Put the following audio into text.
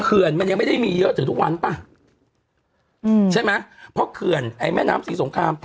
เขื่อนมันยังไม่ได้มีเยอะถึงทุกวันป่ะอืมใช่ไหมเพราะเขื่อนไอ้แม่น้ำศรีสงคราม